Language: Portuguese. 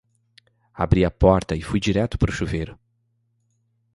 Abri a porta e fui direto pro chuveiro.